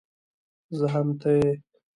زه هم ته يې